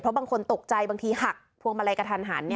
บางคนตกใจบางทีหักพวงมาลัยกระทันหัน